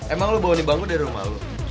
emang lo bawa ini bangku dari rumah lo